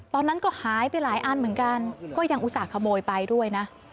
ตอนนั้นก็หายไปหลายอันเหมือนกันก็ยังอุตส่าห์ขโมยไปด้วยนะ